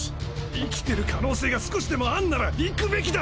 生きてる可能性が少しでもあんなら行くべきだ！